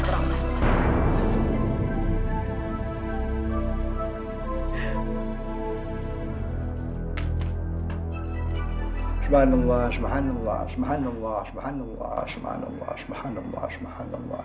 tidak akan pernah